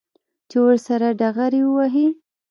چې ورسره ډغرې ووهي.